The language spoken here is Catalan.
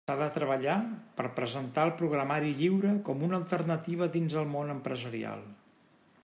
S'ha de treballar per presentar el programari lliure com una alternativa dins el món empresarial.